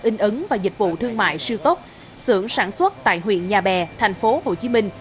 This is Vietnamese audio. in ứng và dịch vụ thương mại siêu tốt xưởng sản xuất tại huyện nhà bè thành phố hồ chí minh